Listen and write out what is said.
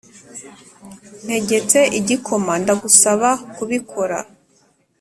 ntegetse igikoma. ndagusaba kubikora.